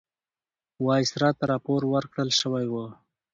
وایسرا ته راپور ورکړل شوی وو.